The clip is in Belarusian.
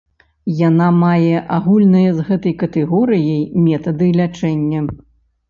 Яна мае агульныя з гэтай катэгорыяй метады лячэння.